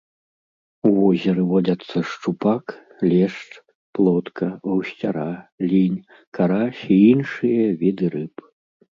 У возеры водзяцца шчупак, лешч, плотка, гусцяра, лінь, карась і іншыя віды рыб.